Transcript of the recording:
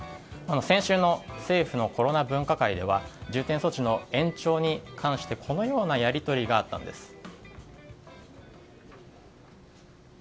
先週の政府のコロナ分科会では重点措置の延長に関してこのようなやり取りがあったんです。